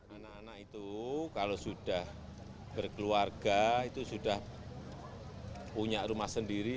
anak anak itu kalau sudah berkeluarga itu sudah punya rumah sendiri